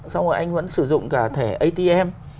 xong rồi anh vẫn sử dụng cả thẻ atm